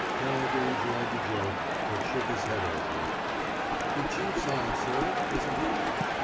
" Gallegher enjoyed the joke, but shook his head over it. The chief's on, sir, isn't he!"